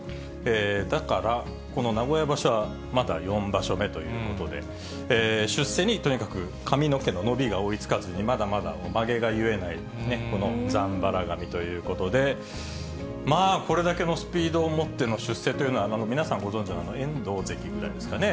だから、この名古屋場所は、まだ４場所目ということで、出世にとにかく髪の毛の伸びが追いつかずに、まだまだまげが結えないね、このざんばら髪ということで、まあこれだけのスピードを持っての出世というのは、皆さんご存じの遠藤関ぐらいですかね